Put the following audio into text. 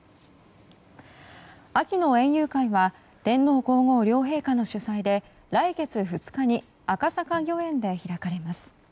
秋の園遊会は天皇・皇后両陛下の主催で来月２日に赤坂御苑で開かれます。